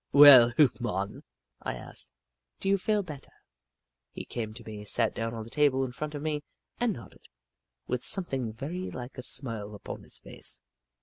"Well, Hoot Mon," I asked, "do you feel better?" He came to me, sat down on the table in front of me, and nodded, with something very like a smile upon his face.